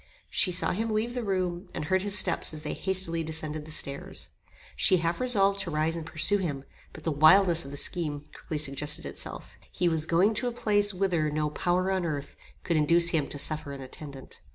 She saw him leave the room, and heard his steps as they hastily descended the stairs. She half resolved to rise and pursue him, but the wildness of the scheme quickly suggested itself. He was going to a place whither no power on earth could induce him to suffer an attendant.